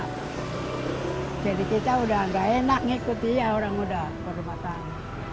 hai jadi kita udah enggak enak ngikutin orang udah perumahan